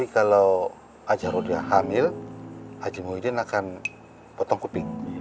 kalo aja rodia hamil haji muhyiddin akan potong kuping